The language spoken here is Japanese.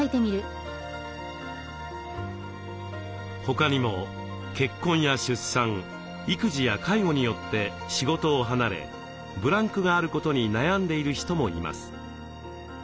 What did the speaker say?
他にも結婚や出産育児や介護によって仕事を離れブランクがあることに悩んでいる人もいます。